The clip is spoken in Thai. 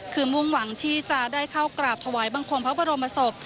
คือมุ่งหวังที่จะได้เข้ากราบถวายบังคมพระบรมศพ